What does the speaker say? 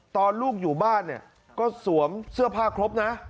ตอนลูกอยู่บ้านเนี่ยก็สวมเสื้อผ้าครบนะ